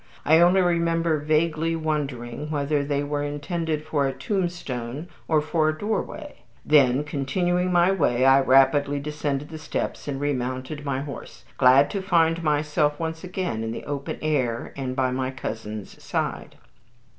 I only remember vaguely wondering whether they were intended for a tombstone or for a doorway. Then, continuing my way, I rapidly descended the steps and remounted my horse, glad to find myself once again in the open air and by my cousin's side.